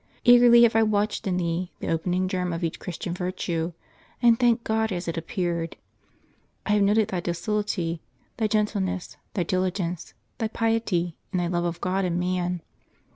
Eagerly have I watched in thee the opening germ of each Christian virtue, and thanked God as it appeared. I have noted thy docility, thy gentleness, thy diligence, thy piety, and thy love of God and man.